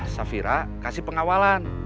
safira kasih pengawalan